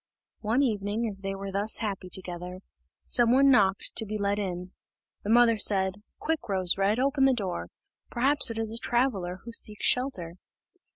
One evening, as they were thus happy together, some one knocked to be let in. The mother said, "Quick, Rose red, open the door; perhaps it is a traveller who seeks shelter."